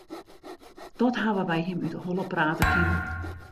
Dat hawwe wy him út 'e holle prate kinnen.